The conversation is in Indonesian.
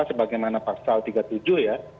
sebagaimana pasal tiga puluh tujuh ya